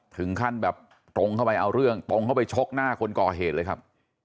ถึงขั้นแบบตรงเข้าไปเอาเรื่องตรงเข้าไปชกหน้าคนก่อเหตุเลยครับ